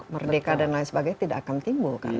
merdeka dan lain sebagainya tidak akan timbul